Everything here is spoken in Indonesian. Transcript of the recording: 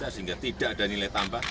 sehingga tidak ada nilai tambah